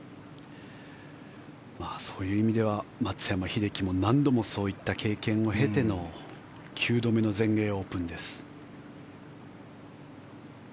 そういう意味では松山英樹も何度もそういった経験を経ての９度目の全英オープンです。